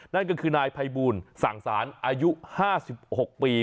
นั่นก็คือนายภัยบูลสั่งสารอายุ๕๖ปี